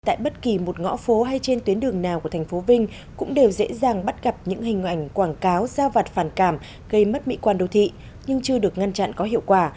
tại bất kỳ một ngõ phố hay trên tuyến đường nào của thành phố vinh cũng đều dễ dàng bắt gặp những hình ảnh quảng cáo giao vặt phản cảm gây mất mỹ quan đô thị nhưng chưa được ngăn chặn có hiệu quả